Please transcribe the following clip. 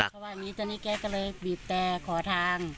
เพราะว่าอันนี้แกก็เลยบีบแต่ขอทาง